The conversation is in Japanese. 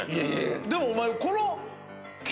でもお前。